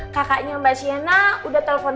kakaknya mbak siana udah telpon